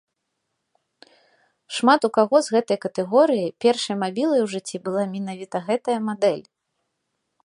Шмат у каго з гэтай катэгорыі першай мабілай у жыцці была менавіта гэтая мадэль.